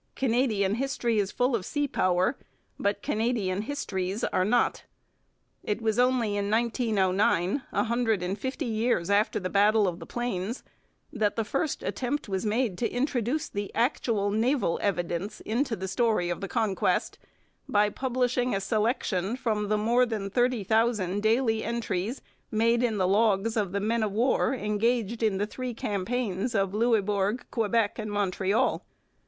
Canadian history is full of sea power, but Canadian histories are not. It was only in 1909, a hundred and fifty years after the Battle of the Plains, that the first attempt was made to introduce the actual naval evidence into the story of the Conquest by publishing a selection from the more than thirty thousand daily entries made in the logs of the men of war engaged in the three campaigns of Louisbourg, Quebec, and Montreal.